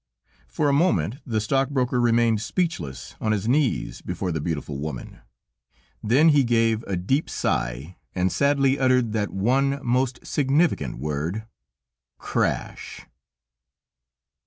For a moment the stockbroker remained speechless on his knees before the beautiful woman; then he gave a deep sigh, and sadly uttered that one, most significant word: _"Crash!"